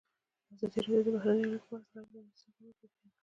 ازادي راډیو د بهرنۍ اړیکې په اړه د غیر دولتي سازمانونو رول بیان کړی.